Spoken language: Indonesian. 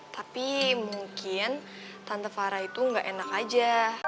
tapi mungkin tante farah itu gak enak aja